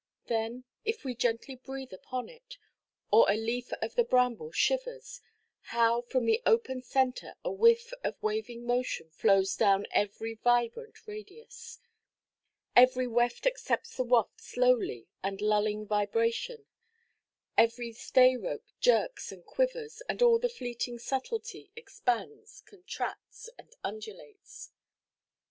Then, if we gently breathe upon it, or a leaf of the bramble shivers, how from the open centre a whiff of waving motion flows down every vibrant radius, every weft accepts the waft slowly and lulling vibration, every stay–rope jerks and quivers, and all the fleeting subtilty expands, contracts, and undulates.